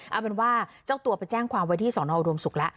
เอาเป็นว่าเจ้าตัวไปแจ้งความไว้ที่สอนออุดมศุกร์แล้ว